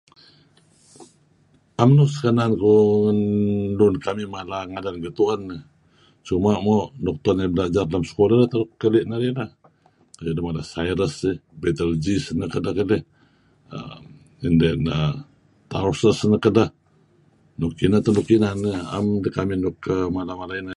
'mm uih kesikenan lun kamih mala ngadan getu'en eh. Cuma' mo' nuk tu'en narih belajar let lem sekulah teh keli' narih lah renga' deh mala Cyrus eh [unintelligible] neh kedeh ngidih err and then Tarsus neh kedeh. Nuk ineh teh inan eh, 'am kekamih nuk mala-mala ineh.